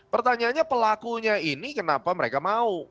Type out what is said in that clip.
pertanyaannya pelakunya ini kenapa mereka mau